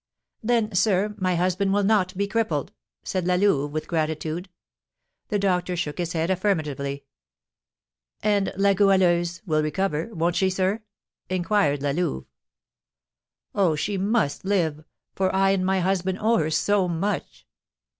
"Then, sir, my husband will not be crippled?" said La Louve, with gratitude. The doctor shook his head affirmatively. "And La Goualeuse will recover won't she, sir?" inquired La Louve. "Oh, she must live, for I and my husband owe her so much!"